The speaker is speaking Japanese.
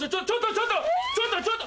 ちょっとちょっと！